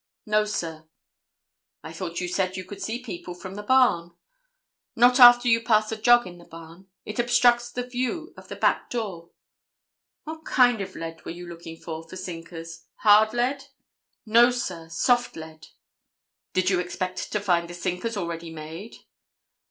"No, sir." "I thought you said you could see people from the barn?" "Not after you pass a jog in the barn. It obstructs the view of the back door." "What kind of lead were you looking for, for sinkers? Hard lead?" "No, sir; soft lead." "Did you expect to find the sinkers already made?"